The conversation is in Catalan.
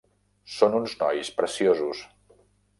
Són uns nois preciosos.